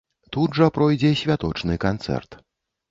Тут жа пройдзе святочны канцэрт.